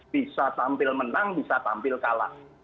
bisa tampil menang bisa tampil kalah